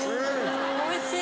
おいしい！